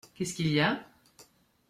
Qu’est-ce qu’il y a ?